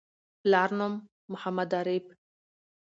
پلار نوم: محمد عارف